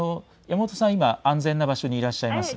山本さん、今安全な場所にいらっしゃいますね。